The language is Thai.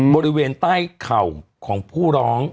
บริเวณใต้เข่าของผู้ร้อง